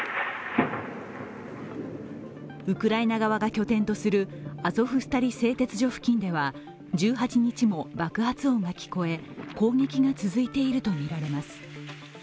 ウクライナ側が拠点とするアゾフスタリ製鉄所付近では１８日も爆発音が聞こえ攻撃が続いているとみられます。